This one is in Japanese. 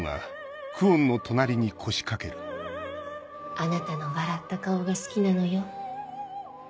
あなたの笑った顔が好きなのよ。